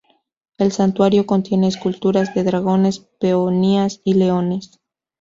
El santuario contiene esculturas de dragones, peonías y leones.